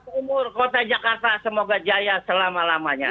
umur kota jakarta semoga jaya selama lamanya